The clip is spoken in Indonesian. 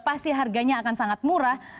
pasti harganya akan sangat murah